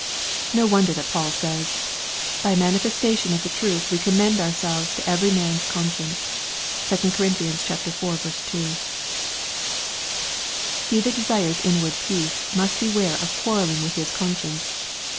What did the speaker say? No wonder that Paul says, " By manifestation of the truth we commend ourselves to every man's conscience." (2 Cor. iv. 2.) He that desires inward peace must beware of quarrel ling with his conscience.